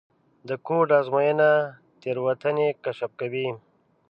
د کوډ ازموینه تېروتنې کشف کوي.